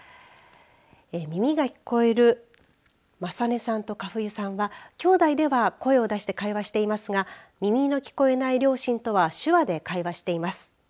耳が聞こえる理音さんと佳冬さんはきょうだいでは声を出して会話していますが２人の聞こえない両親とは手話で会話しています。